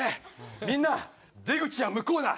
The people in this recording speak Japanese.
みんな、出口は向こうだ。